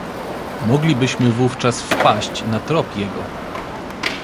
"Moglibyśmy wówczas wpaść na trop jego."